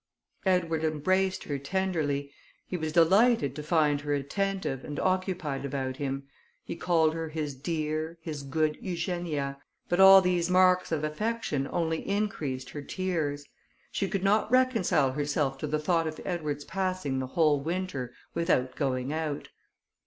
Edward embraced her tenderly; he was delighted to find her attentive, and occupied about him; he called her his dear, his good Eugenia, but all these marks of affection only increased her tears. She could not reconcile herself to the thought of Edward's passing the whole winter without going out.